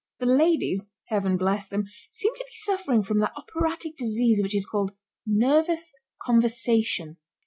The ladies, Heaven bless them! seemed to be suffering from that operatic disease which is called nervous conversation.